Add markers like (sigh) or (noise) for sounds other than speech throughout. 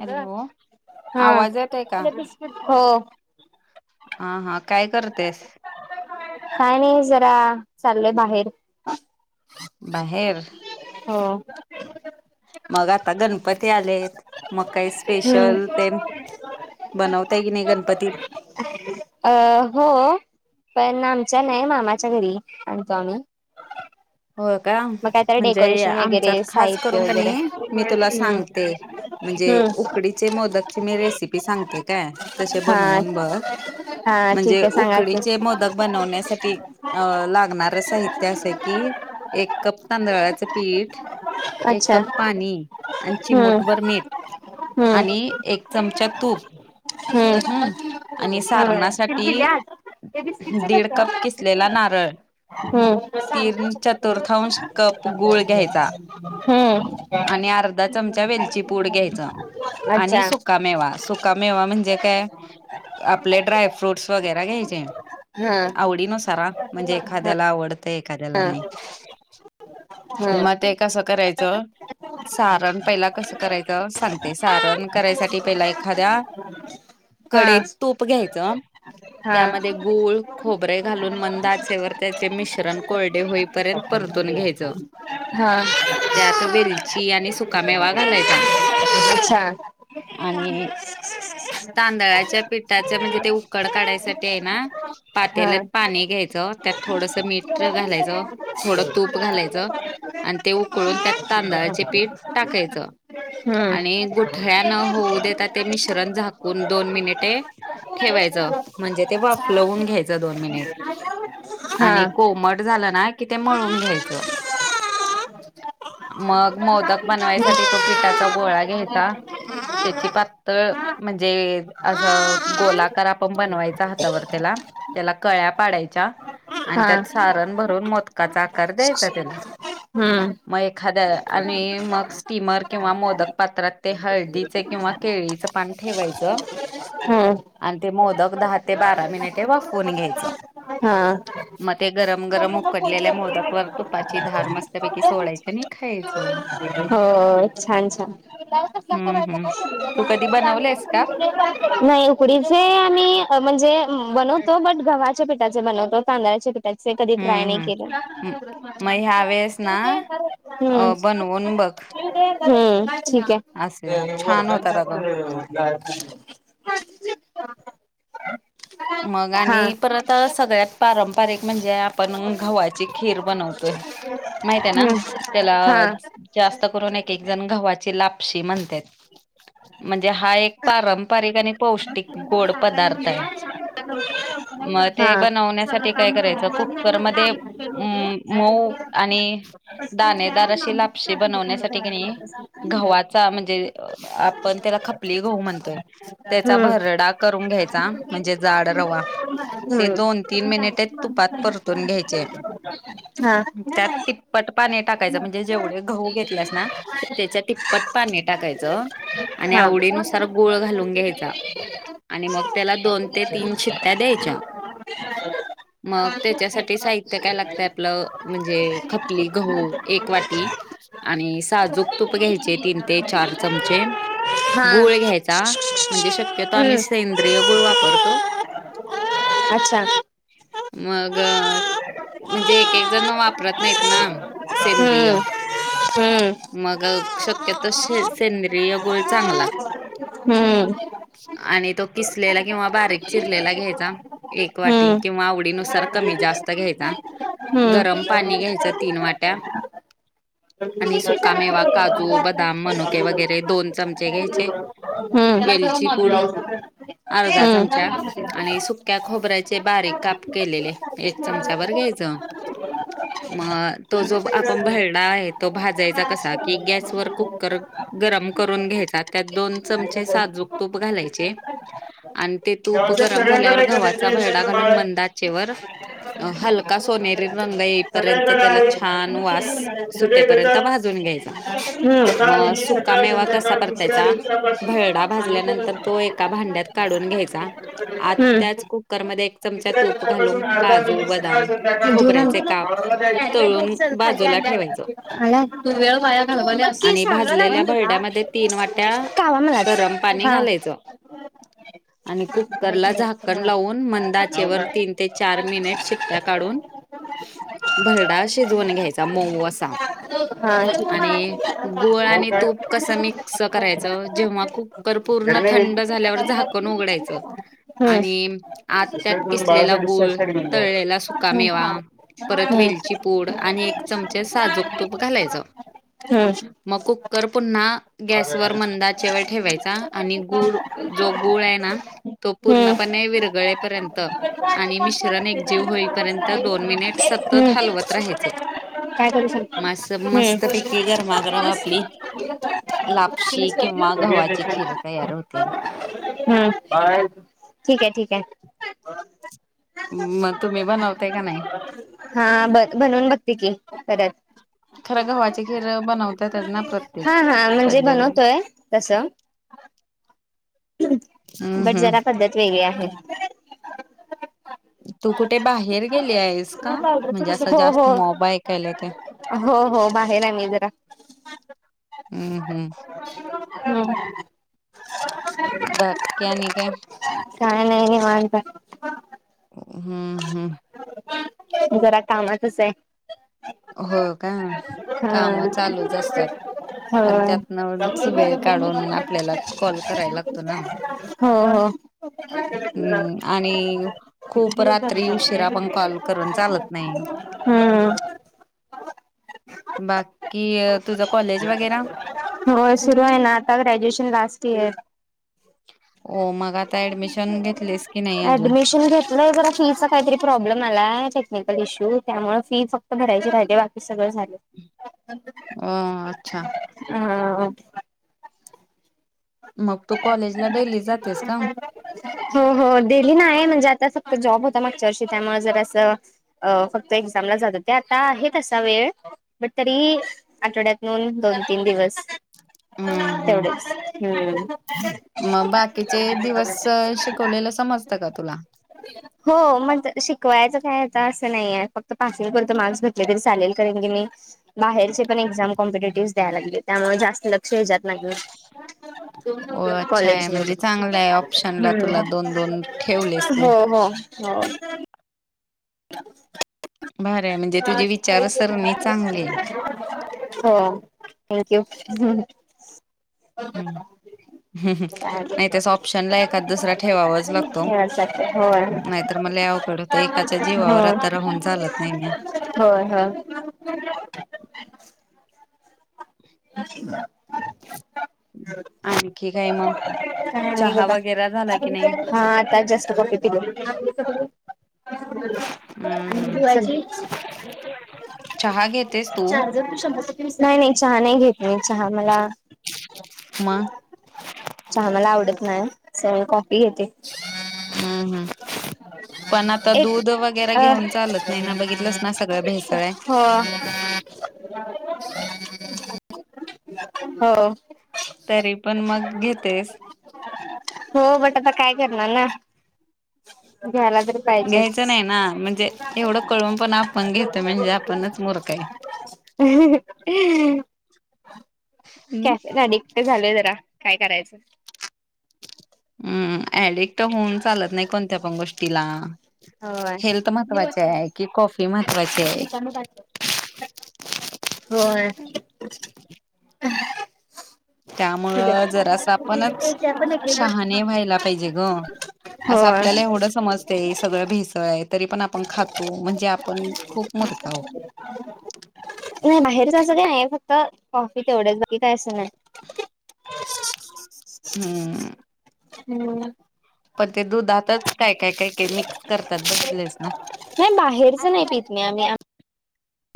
Hello हा आवाज येतोय का हो. हा हा काय करतेस? काय नाही जरा चाललोय बाहेर. बाहेर हो मग आता गणपती आलेत. मग काही स्पेशल हम्म तेन बनवताय की नाही गणपतीत. अ हो. पण आमच्या नाही मामाच्या घरी आणतो आम्ही. होय का मग काहीतरी म्हणजे डेकोरेशन वगैरे आमच्यात खास साहित्य करून क वगैरे नाही मी तुला हम्म सांग ते म्हणजे हम्म उकडीचे मोदकची मी रेसिपी सांगते काय तशे हा बनवून बघ. हा म्हणजे ठीक आहे सांगा की उकडीचे मोदक बनवण्यासाठी अं लागणार साहित्य असं की एक कप तांदळाळाचं पीठ एक अच्छा कप पाणी आणि हम्म चिमूटभर मीठ. हम्म आणि एक चमचा तूप. हम्म आणि हम् सारणासाठी दीड हम. कप किसलेला नारळ हम्म. (unintelligible) चतुर्थांश कप गूळ घ्यायचा हम्म आणि अर्धा चमचा वेलची पूड घ्यायचं (inaudible) आणि सुकामेवा, सुकामेवा म्हणजे काय? आपले ड्रायफ्रूटस वगैरे घ्यायचे हा आवडी नुसार हा. म्हणजे एखाद्याला आवडतं एखाद्याला हा नाही. हा म ते कसं करायचं सारण पहिला कसं करायचं सांगते सारण करायसाठी पहिला एखाद्या हा कडईत तूप घ्यायचं हा त्यामध्ये गूळ खोबरे घालून मंद आचेवर त्याचे मिश्रण कोळ पर्यंत परतून घ्यायचं. हा त्यात वेलची आणि सुकामेवा घालायचा. हां. आणि तांदळाच्या पिठाच्या म्हणजे ते उकड काढायसाठी आहे ना हा पातेल्यात पाणी घ्यायचं त्यात थोडस मीठ घालायचं. (inaudible) थोडं तूप घालायचं आणि ते उकळून त्यात तांदळाचे पीठ टाकायचं. हम्म आणि गुठळ्या न होऊ देता ते मिश्रण झाकून दोन मिनिटे ठेवायचं म्हणजे ते वाफलवून घ्यायचं दोन मिनिट. हा. आणि कोमट झालं ना कि ते मळून घ्यायचं. मग मोदक बनवायसाठी तो पिठाचा गोळा घ्यायचा त्याची पातळ म्हणजे असं गोलाकार आपण बनवायचा हातावर त्याला त्याला कळ्या पाडायच्या आणि हा त्यात सारण भरून मो- काचा आकार द्यायचा त्याला. हम्म. मग एखाद्या आणि मग स्टीमर किंवा मोदक पात्रात ते हळदीचे किंवा केळीचं पान ठेवायचं. हम्म. आणि ते मोदक दहा ते बारा मिनिटे वाफवुन घ्यायचं. हम्म. मग ते गरम गरम ऊ लेल्या मोदकवर तुपाची धार मस्तपैकी हा सोडायचं नाही खायचं. हो छान छान. हम्म हम्म तू कधी बनवलेस (inaudible) नाही उकडीचे आम्ही म्हणजे बनवतो बट गव्हाच्या पिठाचे बनवतो तांदळाचे पिठाचे चे कधी ट्राय हम्म नाही केल. हम्म म- मग ह्या वेळेस ना अ बनवून बघ हम्म ठीक आहे. असे छान होतात अगं (unintelligible) मग हा आणि परत सगळ्यात पारं पारीक म्हणजे आपण गव्हाची खीर बनवतोय. माहितय ना हम्म त्याला हा. जास्त करून एक एक जण गव्हाची लापशी म्हणत्यात. म्हणजे हा एक पारंपरिक आणि पौष्टिक गोड काकाला पदार्थ आहे. म्हणलं (inaudible) मग ते हा. सगळं बनवण्यासाठी काय काम करायचं झालं बघ नाही कुकर म्हटलं मध्ये आम्ही कुठे होते अ मऊ आणि पटकन घ्या दाणेदार अशी हम्म. लापशी बनवण्यासाठी कनी गव्हाचा म्हणजे आपण त्याला खपली घाऊ म्हणतोय त्याचा भरडा करून घ्यायचा म्हणजे जाड रवा ते दोन तीन मिनिटे तुपात परतून घ्यायचे. त्यात ति तिप्पट पाणी टाकायचं म्हणजे जेवढे गहु घेतल्यास ना त्याच्या तिप्पट पाणी टाकायचं. आणि हा. हा. आवडीनुसार गुळ घालून घ्यायचा आणि मग त्याला दोन ते तीन शिट्ट्या द्यायच्या. (inaudible) मग त्याच्यासाठी साहित्य काय लागतय आपलं म्हणजे खपली गहू एक वाटी आणि साजूक तूप घ्यायचे तीन ते चार चमचे हा. गुळ घ्यायचा म्हणजे शक्यतो आम्ही हम्म. सेंद्रिय गुळ वाप परतो. अच्छा. मग हम्म म्हणजे एक एक जण वापरत नाहीत ना सेंद्रिय. हम्म. मग शक्यतो सेंद्रिय गुळ चांगला. हम्म. आणि तो किसलेला किंवा बारीक चिरलेला घ्यायचा. एक वाटी हम्म. किंवा आवडीनुसार कमी जास्त घ्यायचा. गरम पाणी घ्यायचं तीन वाट्या आणि सुक्का मेवा काजू, बदाम, मनुके वगैरे दोन चमचे घ्यायचे. हम्म वेलची पूड हम्म. आर्धा चमचा आणि सुक त्या खोबऱ्याचे बारीक काप केलेले. एक चमचा भर घ्यायचं. म.. अ तो जो आपण भरडा आहे तो भाजायचा कसा, की गॅसवर कुकर गरम करून घ्यायचा. त्यात दोन चमचे साजूक तूप घालायचे. आणि ते हे तूप औषध गरम सगळ्यांकडे झाल्यावर आहे का त्यांच्या गव्हाचा भरडा यांच्याकडे घालून बाळ मंद आहे आचेवर अ हालका सोनेरी रंग येईपर्यंत सगळ्यांकडे त्याला आहे छान वास सगळे टे पर्यंत देतात भाजून घ्यायचा. आता म अ हिने सुक्का सकाळ मेवा कसा संध्याकाळ दुसऱ्या परतायचा, भरडा दिवसापासून भाजल्यानंतर सांगितलेलं तो एका भांड्यात काढून घ्यायचा. आत हम्म. त्याच कुकरमध्ये चमचा तिसऱ्या तूप दिवसा पासून घालून आर्धा काजू, मिली सकाळ बदाम, संध्याकाळ खोबऱ्याचे काप बाळाला तळून द्यायच. चल खाली बाजूला ठेवायचं आणल्यात. आलात. तू वेळ वाया घालवायल्यास. तू बग की आणि सांगाय लागल्या भाजलेल्या तुला. भरड्यामध्ये तीन वाट्या कावा मलाच. गरम पाणी हा घालायच आणि कुक करला झाकण लावून, मंद नाव आचेवर वर काय तीन ते चार मिनिट शिट्ट्या काढून. भरडा शिजवून घ्यायचा मऊ असा. हा आणि तिथं गोळ (unintelligible) हो आणि काय. तूप कसं मिक्स करायचं जेव्हा कुक कर पूर्ण घरी नाही येईल थंड झाल्यावर झाकण उघडायचं हम्म. आणि आत दुसऱ्या त्यात कडून किसलेला बाळाचा गूळ, डिस्चार्ज साठी घेऊन जाऊ. तळलेला सुका हम्म. मेवा, परत हम्म. वेलची पूड आणि एक चमचे साजूक तूप घालायचं. ह्म. म कुक्कर पुंन्हा गॅसवर मंद आ चे वर ठेवायचा. आणि गुळ, जो गुळयै ना तो पूर्णपणे विरघळेपर्यंत आणि मिश्रण एकजीव होईपर्यं त, दोन मिनिट सततं हम्म. हालवत राहायचं. काय करू सांग. मस्त मस्तपैकी गरमागरम आपली लापशी किंवा गव्हाची हम्म् खीर (unintelligible) तयार होते. हम्म्. बाय. ठीके ठीके. म तुम्ही बनवताय का नाही. हा बग बनवून बघते की, परत. खरं गव्हाची खीर अ बनवत्यातच ना. हा प्रत्येकच्या हा म्हणजे घरी. बनवतोय. तसं. हम्म बट जरा हम्म पद्धत वेगळी आहे. तू कुठे बाहेर गेली आहेस का? म्हणजे असं हो जास्त हो मोबा ऐकायला येतोय. हो हो बाहेर आहे जरा. उ्म हम्म्. लो भाय. बाक्की आणि काय? काय नाय निवांताय. ह्म ह्म. जरा कामातच आहे. हो का काम चालूच असतात. होय (unintelligible) (inaudible) हो हो (unintelligible) (inaudible) पण त्यातनच वेळ काढून आपल्याला कॉल करायला लागतो ना. हम्म आणि खूप रात्री उशिरा पण कॉल करून चालत नाही. (unintelligible) (inaudible) हम्म बाकी तुझं कॉलेज वगैरा हो सुरू आहे ना आता ग्रॅज्युएशन लास्ट इयर. हो मग आता ऍडमिशन घेतलीस की नाही अजून? त (unintelligible) (inaudible) 'फीचा' काहीतरी प्रॉब्लेम आलाय टेक्निकल इश्यू त्यामुळे फी फक्त भरायची राहिली बाकी सगळं झाले. अ अच्छा ह (inaudible) (unintelligible) मग तू कॉलेजला डेली जातेस का? हो हो डेली नाही. म्हणजे आता फक्त जॉब होता मागच्या वर्षी त्या मूळ जरासं अ फक्त एक्झामला जात होते आता आहे तसा वेळ बट तरी आठवड्यातून दोन तीन दिवस (inaudible) हम्म (unintelligible) हम्म तेवढेच हम्म मग बाकीचे दिवस शिकवलेलं समजतं का तुला? हो मग शिकवायचं काय आता असं नाहीे आहे. फक्त पासिंग पुरत मार्क्स भेटले तरी चालेल कारण की मी बाहेरचे पण एक्झाम कॉम्पिटेटिव्ह द्याय लागले त्यामुळे जास्त लक्ष हे जात नाही. हो अच्छा आहे कॉलेज म्हणजे चांगला मध्ये आहे ऑप्शनला तुला दोन दोन ठेवलेस हम्म तू हो हो हो भारी आहे म्हणजे तुझी विचारसरणी चांगली आहे (unintelligible) (inaudible) हो थँक्यू हम्म ह् चालेल नाही तस ऑप्शनला एखाद दुसरा ठेवावाच लागतो खेळासाठी होय नाहीतर मग लय अवघड एकाच्या जीवावर होय आता राहून चालत नाही न, होय होय ह (unintelligible) (inaudible) आणखी काय मग? काय नाही चहा बघा वगैरे झाला की नाही आता जस्ट क्वाफी पिली. हम्म हम्म जी चहा घेतेस (unintelligible) तू (inaudible) चहा नसते पित नाहीही नाही चहा नाही. नाही घेत मी चहा मला मग चहा मला आवडत नाही मी कॉफी घेते. हम्म हम्म पण आता (unintelligible) (inaudible) एक दूध वगैरे अ घेऊन चालत नाही ना बघितलंस ना सगळं भेसळ आहे. हो (unintelligible) (inaudible) हो तरी पण मग घेतेस. हो बट आता काय करणार ना, घ्यायला तर ह घ्यायचं नाही पाहिजेच ना म्हणजे एवढं कळून पण आपण घेतोय म्हणजे आपणच मुर्ख आहे. ह (unintelligible) (inaudible) हम्म कॅफे अडिक्ट झाले जरा काय करायचं हम्म ऍडिक्ट होऊन चालत नाही कोणत्या पण गोष्टीला हेल्थ होय महत्त्वाचे आहे की कॉफी महत्त्वाची आहे? होय त्यामुळं जरा असं होय आपणच शहाणे व्हायला पाहिजे ग. असं आपल्याला एवढं समजत सगळं भेसळ आहे तरी पण आपण खातो म्हणजे आपण खूप मरत आहोत नाही बाहेर अस काय नाही आहे फक्त कॉफी तेवढेच बाकी काय असं नाही हम्म हम्म पण ते दूधातच काय काय काय काय मिक्स करतात बघितलेस ना नाही बाहेरच नाही पित मी आम्ही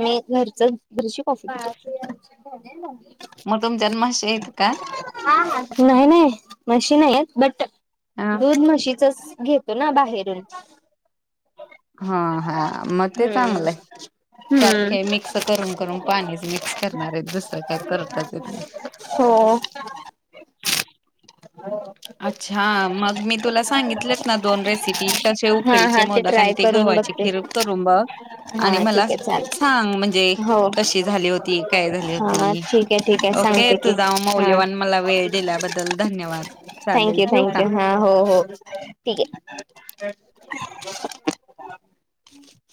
मी घरचं दुध (unintelligible) मग तुमच्यात म्हशी आहेत का? नाही नाही म्हशी नाही बट अ दूध म्हशीचच घेते तो ना बाहेरून हा हा मग ते हम्म. चांगलं आहे त्यात काय हम्म मिक्स करून करून पाणीच मिक्स करणार आहेत दुसरं काय करताच येत नाही हो हो अच्छा मग मी तुला सांगितलेत ना दोन रेसिपी तसे हा उकळीचे हा मोदक आणि ट्राय ते करून गव्हाची बघते. खिर करून बघ आणि हा ठीक मला आहे चालेल सांग म्हणजे हो कशी झाली होती काय झाली होती हा ठीक आहे ठीक आहे ओके सांगते की तुझा हा. मौल्यवान मला वेळ दिल्याबद्दल धन्यवाद चालेल थँक्यू ठेवू का? थँक्यू हा हो हो ठीक आहे